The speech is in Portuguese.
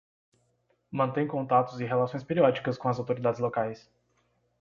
Mantém contatos e relações periódicas com as autoridades locais.